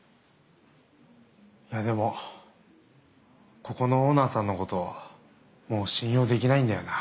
いやでもここのオーナーさんのこともう信用できないんだよな。